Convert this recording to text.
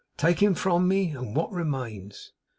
'Take him from me, and what remains?